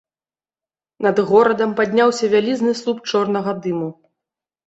Над горадам падняўся вялізны слуп чорнага дыму.